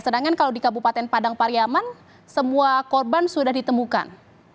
sedangkan kalau di kabupaten padang pariaman semua korban sudah ditemukan